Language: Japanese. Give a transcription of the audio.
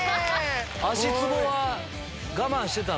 足つぼは我慢してたの？